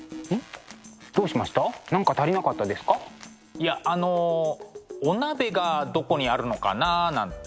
いやあのお鍋がどこにあるのかななんて。